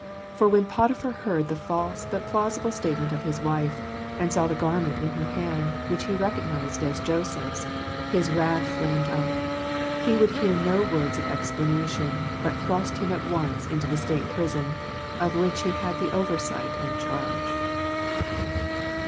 For when Potiphar heard the false but plausible statement of his wife, and saw the garment in her hand, which he recognized as Joseph's, his wrath flamed up ; he would hear no words of explanation, but thrust him at once into the state prison, of which he had the oversight and charge.